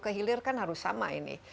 ke hilir kan harus sama ini